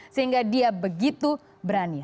sehingga dia begitu berani